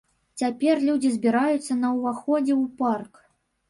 Цяпер людзі збіраюцца на ўваходзе ў парк.